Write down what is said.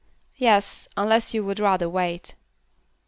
"Yes, unless you would rather wait."